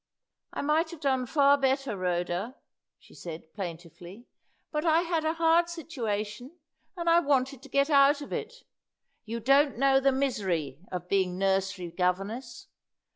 "I might have done far better, Rhoda," she said, plaintively; "but I had a hard situation, and I wanted to get out of it. You don't know the misery of being nursery governess.